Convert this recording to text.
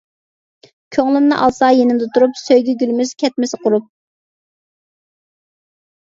كۆڭلۈمنى ئالسا يېنىمدا تۇرۇپ، سۆيگۈ گۈلىمىز كەتمىسە قۇرۇپ.